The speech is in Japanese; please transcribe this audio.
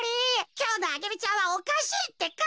きょうのアゲルちゃんはおかしいってか。